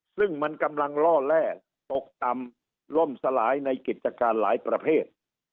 ซึ่งมันกำลังล่อแร่ตกต่ำล่มสลายในกิจการหลายประเภท